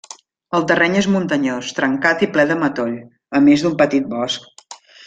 El terreny és muntanyós, trencat i ple de matoll, a més d'un petit bosc.